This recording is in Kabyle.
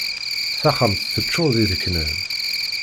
Taxxamt teččur d ideknan.